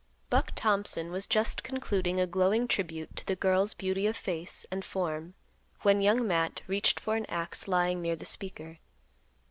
Buck Thompson was just concluding a glowing tribute to the girl's beauty of face and form when Young Matt reached for an axe lying near the speaker.